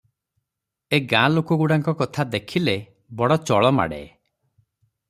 ଏ ଗାଁ ଲୋକଗୁଡାକଙ୍କ କଥା ଦେଖିଲେ ବଡ ଚଳ ମାଡେ ।